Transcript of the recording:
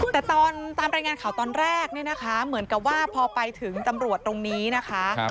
แต่ตอนตามรายงานข่าวตอนแรกเนี่ยนะคะเหมือนกับว่าพอไปถึงตำรวจตรงนี้นะคะ